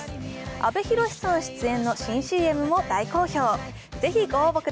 阿部寛さん出演の新ＣＭも大好評！